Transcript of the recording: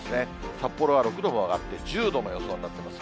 札幌は６度も上がって１０度の予想になってます。